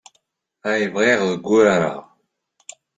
Ay bɣiɣ deg wurar-a.